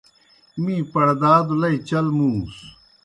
می پڑدادوْ لئی چل مُوں سوْ۔